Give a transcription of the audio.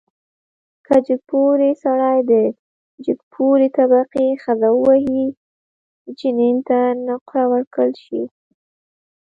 که جګپوړی سړی د جګپوړي طبقې ښځه ووهي، جنین ته نقره ورکړل شي.